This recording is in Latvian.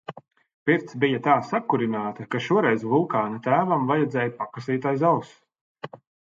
Pirts bija tā sakurināta, ka šoreiz Vulkāna tēvam vajadzēja pakasīt aiz auss.